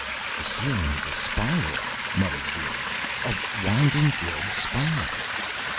"The ceiling is a spiral," muttered Vera, "a winding red spiral."